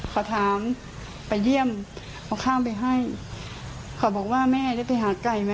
เขาคงว่าจะไม่ตาย